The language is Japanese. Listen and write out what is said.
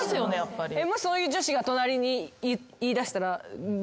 そういう女子が隣に言いだしたら。